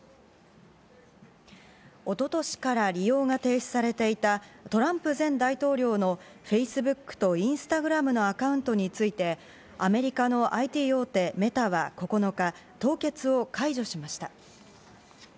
一昨年から利用が停止されていたトランプ前大統領のフェイスブックとインスタグラムのアカウントについて、アメリカのＩＴ大手・メタは９日、凍結を解除しました。